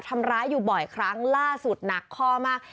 ทำร้ายอยู่บ่อยครั้งล่าสุดหนักคอมาก